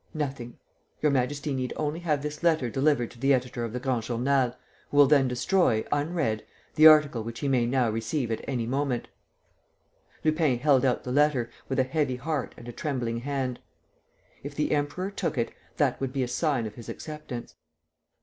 "Nothing. Your majesty need only have this letter delivered to the editor of the Grand Journal, who will then destroy, unread, the article which he may now receive at any moment." Lupin held out the letter, with a heavy heart and a trembling hand. If the Emperor took it, that would be a sign of his acceptance.